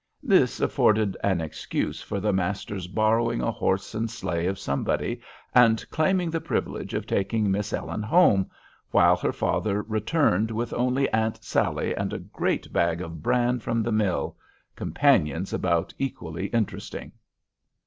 This afforded an excuse for the master's borrowing a horse and sleigh of somebody, and claiming the privilege of taking Miss Ellen home, while her father returned with only Aunt Sally and a great bag of bran from the mill—companions about equally interesting.